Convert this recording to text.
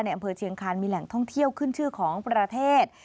อำเภอเชียงคานมีแหล่งท่องเที่ยวขึ้นชื่อของประเทศ